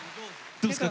どうですか？